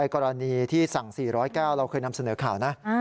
กรณีที่สั่ง๔๐แก้วเราเคยนำเสนอข่าวนะ